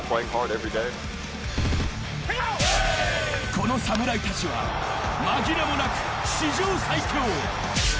この侍たちは紛れもなく史上最強。